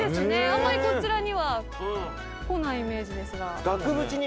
あんまりこちらには来ないイメージですが。